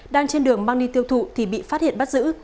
đang trên đường mang đi tiêu thụ thì bị phát hiện bắt giữ